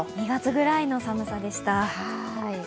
２月ぐらいの寒さでした。